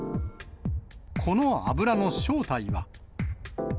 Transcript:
この油の正体は。